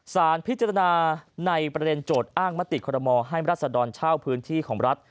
สารพิจารณาในประเด็นโจทย์อ้างมติคอรมอให้รัศดรเช่าพื้นที่ของรัฐ